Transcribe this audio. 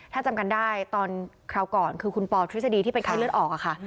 ถ้าจำกันได้ตอนคราวก่อนคือคุณปอทฤษฎีที่เป็นไข้เลือดออกค่ะ